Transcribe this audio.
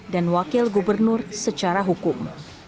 dan wakil gubernur secara hukum